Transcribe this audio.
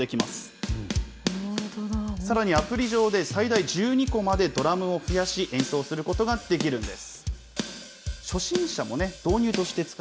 さらにアプリ上で最大１２個までドラムを増やし、演奏することができるんです。